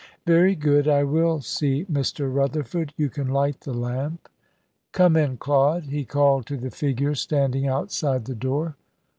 "Very good, I will see Mr. Rutherford. You can light the lamp. Come in, Claude," he called to the figure standing outside the door.